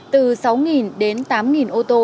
từ sáu đến tám ô tô